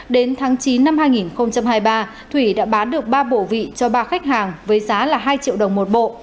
đến tháng chín năm hai nghìn hai mươi ba thủy đã bán được ba bộ vị cho ba khách hàng với giá là hai triệu đồng một bộ